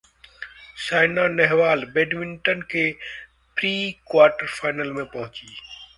Saina Nehwal badminton के prequarter final में पहुँचीं